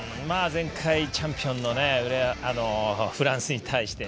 前回チャンピオンのフランスに対して。